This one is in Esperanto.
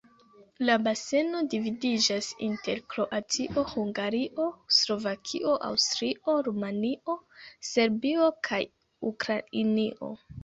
La baseno dividiĝas inter Kroatio, Hungario, Slovakio, Aŭstrio, Rumanio, Serbio kaj Ukrainio.